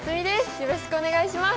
よろしくお願いします。